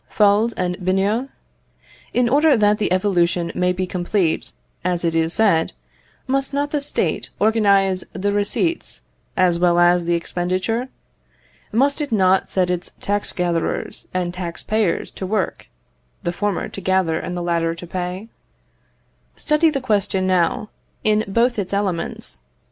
Fould and Bineau? In order that the evolution may be complete, as it is said, must not the State organise the receipts as well as the expenditure? must it not set its tax gatherers and tax payers to work, the former to gather and the latter to pay? Study the question, now, in both its elements.